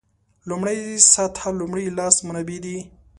لومړۍ سطح لومړي لاس منابع دي.